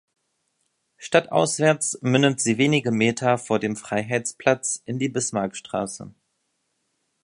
Stadtauswärts mündet sie wenige Meter vor dem Freiheitsplatz in die Bismarckstraße.